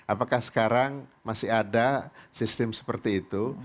apakah sekarang masih ada sistem seperti itu